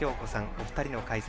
お二人の解説。